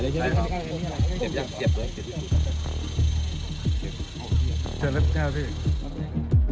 ครับพี่